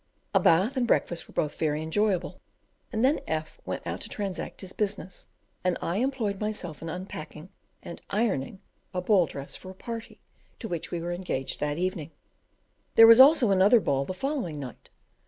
A bath and breakfast were both very enjoyable, and then F went out to transact his business, and I employed myself in unpacking and ironing a ball dress for a party, to which we were engaged that evening. There was also another ball the following night.